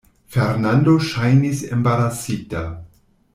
Fernando ŝajnis embarasita.